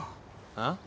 あっ？